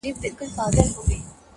اسان ئې نالول، چنگوښو هم پښې پورته کړې.